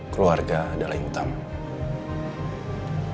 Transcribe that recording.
keluarga adalah yang utama